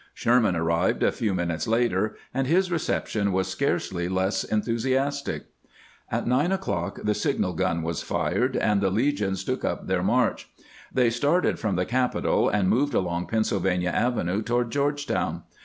Sherman arrived a few minutes later, and his reception was scarcely less enthusiastic. At nine o'clock the signal gun was fired, and the legions took up their march. They started from|,the Capitol, and moved along Pennsylvania Avenue toward Georgetown.